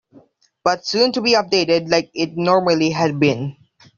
But soon to be updated like it normally had been.